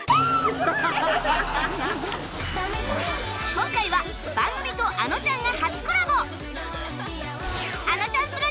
今回は番組とあのちゃんが初コラボ！